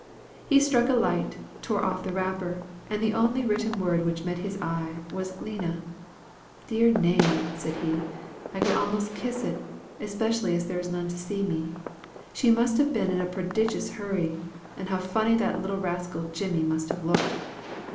He struck a light, tore off the wrapper, and the only written word which met his eye was "Lina." "Dear name!" said he, "I could almost kiss it, especially as there is none to see me. She must have been in a prodigious hurry! and how funny that little rascal, Jimmy, must have looked!